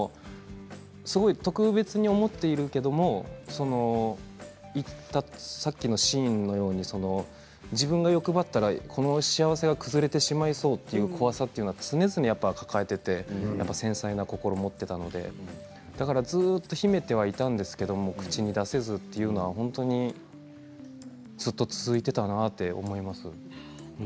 特別に思っているけれどさっきのシーンのように自分が欲張ったら、この幸せが崩れてしまいそうという怖さというのは常々、抱えていて繊細な心を持っていたのでずっと秘めてはいたんですけれど口に出せずというのはずっと続いていたなということは思います。